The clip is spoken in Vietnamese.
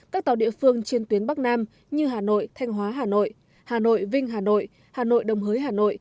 các tàu địa phương trên tuyến bắc nam như hà nội thanh hóa hà nội hà nội vinh hà nội hà nội đồng hới hà nội